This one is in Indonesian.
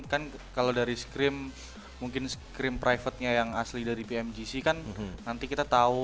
kan kalau dari scream mungkin scream private nya yang asli dari pmgc kan nanti kita tahu